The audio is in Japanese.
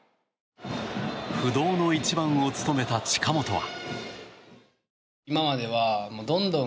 不動の１番を務めた近本は。